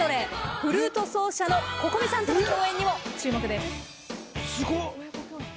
フルート奏者のＣｏｃｏｍｉさんとの共演にも注目です！